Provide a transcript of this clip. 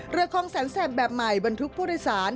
เรือคลองแสนแสบแบบใหม่บรรทุกผู้โดยสาร